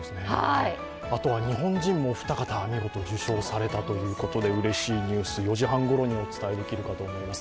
あとは日本人もお二方、見事受賞されたということで、４時半ごろにお伝えできるかと思います。